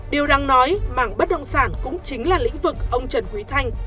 điều đáng nói mảng bất động sản cũng chính là lĩnh vực ông trần quý thanh